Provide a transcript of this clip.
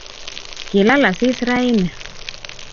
kilal asis raini